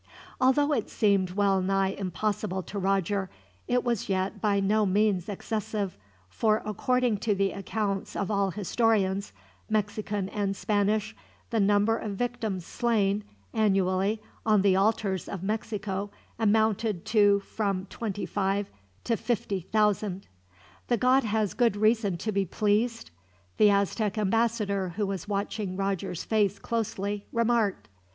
Although it seemed well nigh impossible to Roger, it was yet by no means excessive, for according to the accounts of all historians, Mexican and Spanish, the number of victims slain, annually, on the altars of Mexico amounted to from twenty five to fifty thousand. "The god has good reason to be pleased?" the Aztec ambassador, who was watching Roger's face closely, remarked.